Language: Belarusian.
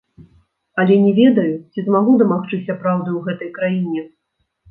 Але не ведаю, ці змагу дамагчыся праўды ў гэтай краіне.